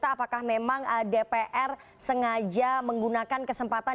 apakah dpr menggunakan kesempatan